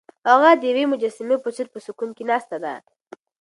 هغه د یوې مجسمې په څېر په سکون کې ناسته ده.